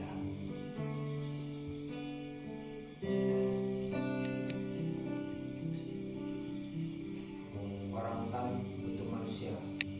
jangan lupa like share dan subscribe